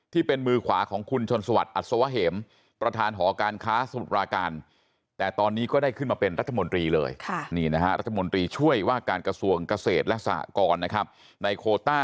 ที่เป็นมือขวาของคุณชนสวรรค์อัศวะเห็ม